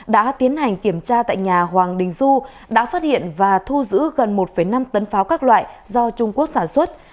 đã tiến hành kiểm tra tại nhà hoàng đình du đã phát hiện và thu giữ gần một năm tấn pháo các loại do trung quốc sản xuất